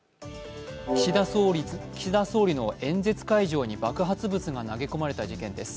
岸田総理の演説会場に爆発物が投げ込まれた事件です。